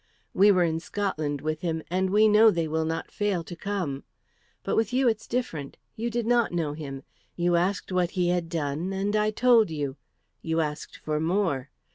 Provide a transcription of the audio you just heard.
We were in Scotland with him, and we know they will not fail to come. But with you it's different. You did not know him. You asked what he had done, and I told you. You asked for more.